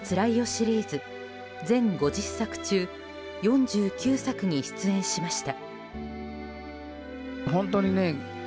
シリーズ全５０作中４９作に出演しました。